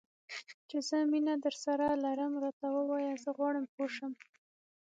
چې زه مینه درسره لرم؟ راته ووایه، زه غواړم پوه شم.